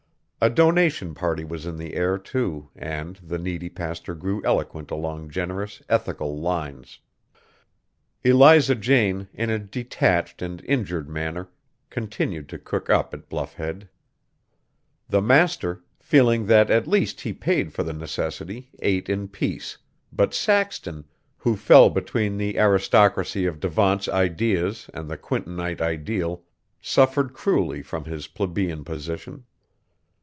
A donation party was in the air, too, and the needy pastor grew eloquent along generous, ethical lines. Eliza Jane, in a detached and injured manner, continued to cook up at Bluff Head. The master, feeling that at least he paid for the necessity, ate in peace; but Saxton, who fell between the aristocracy of Devant's ideas and the Quintonite ideal, suffered cruelly from his plebeian position.